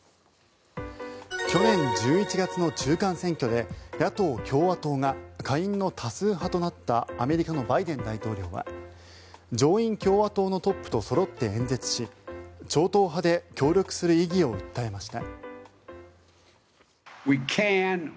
去年１１月の中間選挙で野党・共和党が下院の多数派となったアメリカのバイデン大統領は上院共和党のトップとそろって演説し超党派で協力する意義を訴えました。